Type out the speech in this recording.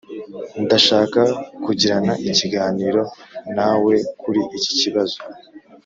ndashaka kugirana ikiganiro nawe kuri iki kibazo.